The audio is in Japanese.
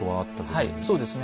はいそうですね。